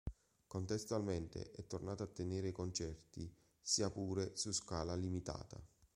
Contestualmente, è tornato a tenere concerti, sia pure su scala limitata.